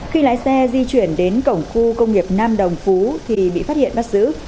khi lái xe di chuyển đến cổng khu công nghiệp nam đồng phú thì bị phát hiện bắt giữ